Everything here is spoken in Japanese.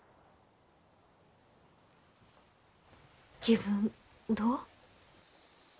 気分どう？